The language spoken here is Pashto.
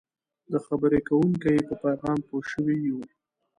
د خبرې کوونکي په پیغام پوه شوي یو.